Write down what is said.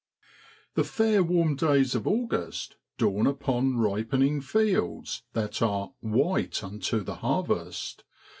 ^ HE fair warm days of August dawn upon ripening fields that are l white unto the harvest.'